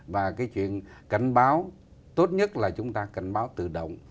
và cái chuyện cảnh báo tốt nhất là chúng ta cảnh báo tự động